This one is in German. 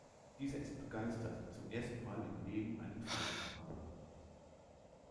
Dieser ist begeistert, zum ersten Mal im Leben einen Freund zu haben.